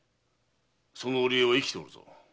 その織江は生きておるぞ。